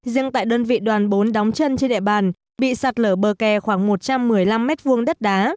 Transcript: riêng tại đơn vị đoàn bốn đóng chân trên địa bàn bị sạt lở bờ kè khoảng một trăm một mươi năm m hai đất đá